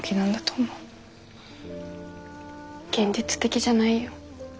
現実的じゃないよ。